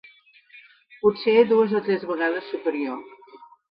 Potser dues o tres vegades superior.